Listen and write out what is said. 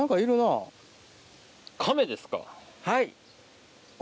はい。